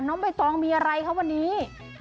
น้องใบตองมีอะไรคะวันนี้